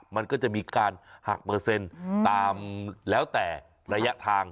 มันก็จะมีการหักเปอร์เซ็นต์ตามแล้วแต่ระยะทาง